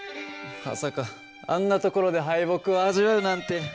まさかあんなところで敗北を味わうなんて。